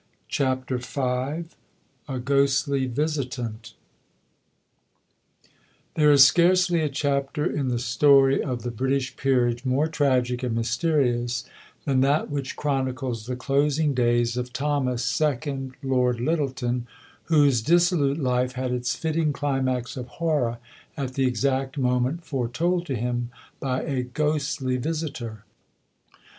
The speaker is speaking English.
CHAPTER V A GHOSTLY VISITANT There is scarcely a chapter in the story of the British Peerage more tragic and mysterious than that which chronicles the closing days of Thomas, second Lord Lyttelton, whose dissolute life had its fitting climax of horror at the exact moment foretold to him by a ghostly visitor.